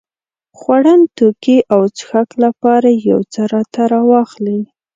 خوړن توکي او څښاک لپاره يو څه راته راواخلې.